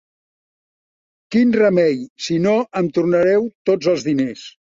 Quin remei, si no em tornareu tots els diners.